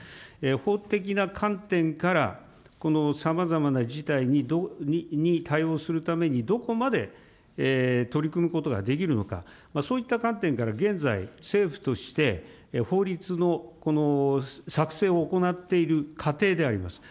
法的な観点から、このさまざまな事態に対応するために、どこまで取り組むことができるのか、そういった観点から現在、政府として法律の作成を行っている過程であります。